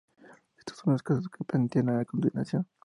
Estos son los casos que se plantean a continuación.